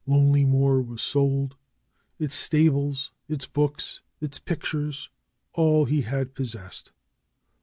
Lonelymoor was sold; its stables, its books; its pic tures; all he had possessed.